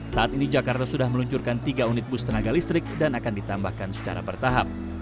saat ini jakarta sudah meluncurkan tiga unit bus tenaga listrik dan akan ditambahkan secara bertahap